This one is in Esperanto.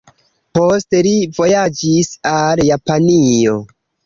Poste li vojaĝis al Japanio.